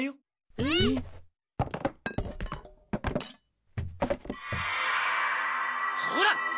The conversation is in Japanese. えっ？ほら！